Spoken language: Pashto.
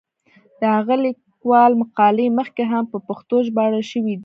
د دغه لیکوال مقالې مخکې هم په پښتو ژباړل شوې دي.